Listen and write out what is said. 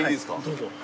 どうぞ。